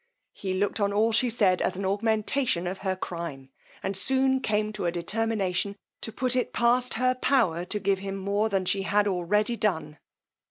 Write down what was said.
He looked on all she said as an augmentation of her crime, and soon came to a determination to put it past her power to give him more than she had already done.